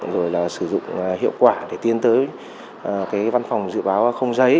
rồi là sử dụng hiệu quả để tiến tới cái văn phòng dự báo không giấy